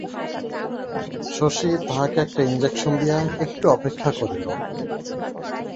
শশী তাহকে একটা ইনজেকশন দিয়া একটু অপেক্ষা করিল।